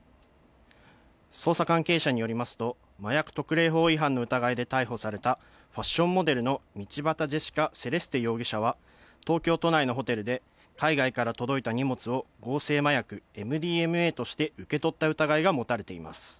捜査関係者によりますと、麻薬特例法違反の疑いで逮捕された、ファッションモデルの道端ジェシカ・セレステ容疑者は、東京都内のホテルで、海外から届いた荷物を合成麻薬ＭＤＭＡとして受け取った疑いが持たれています。